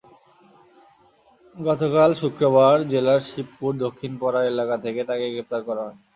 গতকাল শুক্রবার জেলার শিবপুর দক্ষিণপাড়া এলাকা থেকে তাকে গ্রেপ্তার করা হয়।